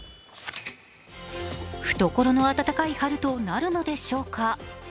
懐の暖かい春となるのでしょうか。